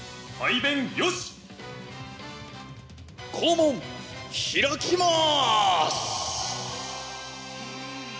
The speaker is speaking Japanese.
肛門、開きます！